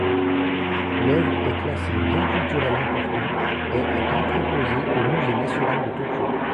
L’œuvre est classée bien culturel important et est entreposée au musée national de Tokyo.